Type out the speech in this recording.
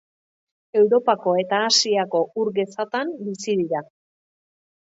Europa eta Asiako ur gezatan bizi dira.